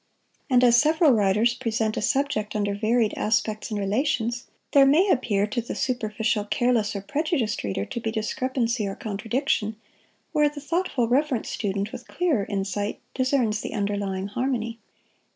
And as several writers present a subject under varied aspects and relations, there may appear, to the superficial, careless, or prejudiced reader, to be discrepancy or contradiction, where the thoughtful, reverent student, with clearer insight, discerns the underlying harmony.